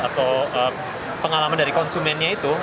atau pengalaman dari konsumennya itu